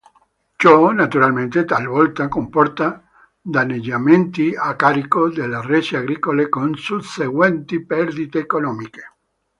Ciò naturalmente talvolta comporta danneggiamenti a carico delle rese agricole con susseguenti perdite economiche.